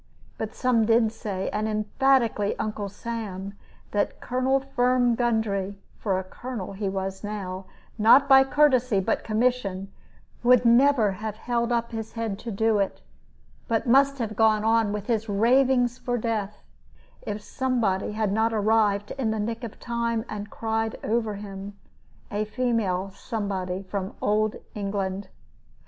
But some did say, and emphatically Uncle Sam, that Colonel Firm Gundry for a colonel he was now, not by courtesy, but commission would never have held up his head to do it, but must have gone on with his ravings for death, if somebody had not arrived in the nick of time, and cried over him a female somebody from old England.